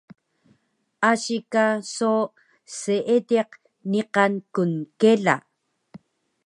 Asi ka so seediq niqan knkela